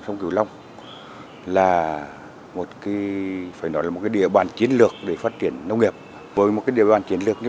sông cửu long là một địa bàn chiến lược để phát triển nông nghiệp với một địa bàn chiến lược như